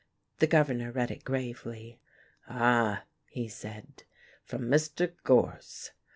The Governor read it gravely. "Ah," he said, "from Mr. Gorse."